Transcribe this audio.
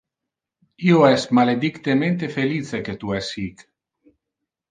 Io es maledictemente felice que tu es hic.